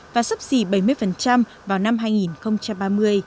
và sắp xỉ bảy mươi vào năm hai nghìn ba mươi